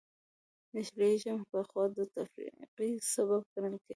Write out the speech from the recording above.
نېشنلېزم پخوا د تفرقې سبب ګڼل کېده.